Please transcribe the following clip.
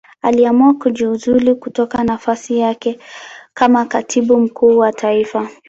Aliamua kujiuzulu kutoka nafasi yake kama Katibu Mkuu wa Taifa.